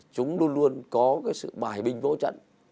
chúng luôn luôn có sự bài bình vô trận